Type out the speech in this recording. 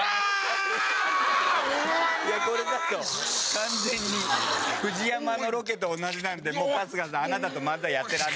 これだと完全にＦＵＪＩＹＡＭＡのロケと同じなんでもう春日さん